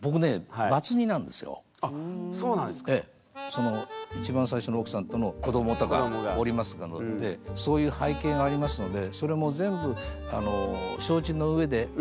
その一番最初の奥さんとの子どもがおりますのでそういう背景がありますのでそれも全部承知の上で。